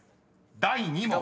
第２問］